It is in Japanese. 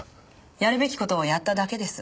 やるべき事をやっただけです。